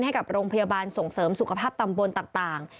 ให้กับโรงพยาบาลส่งเสริมสุขภาพตำบลต่าง